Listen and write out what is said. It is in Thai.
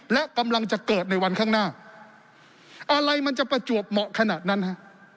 และกำลังจะเกิดในวันข้างหน้าอะไรมันจะประจวบเหมาะขนาดนั้นฮะ